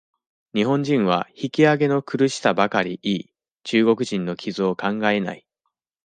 日本人は、引き揚げの苦しさばかり言い、中国人の傷を考えない。